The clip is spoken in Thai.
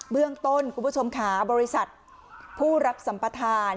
เรื่องต้นคุณผู้ชมค่ะบริษัทผู้รับสัมปทาน